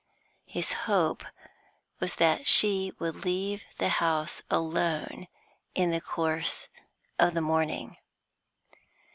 His hope was that she would leave the house alone in the course of the morning.